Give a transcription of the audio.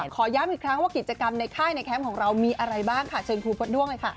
ขอย้ำอีกครั้งว่ากิจกรรมในค่ายในแคมป์ของเรามีอะไรบ้างค่ะเชิญครูพฤษด้วงเลยค่ะ